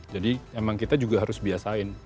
jadi emang kita juga harus biasain